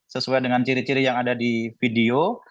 sesuai dengan ciri ciri yang ada di video